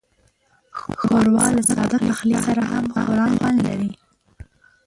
ښوروا له ساده پخلي سره هم خورا خوند لري.